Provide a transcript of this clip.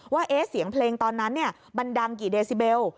ว่าเสียงเพลงตอนนั้นมันดังกี่เดซิเบล